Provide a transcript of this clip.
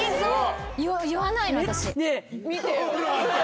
言わないの私。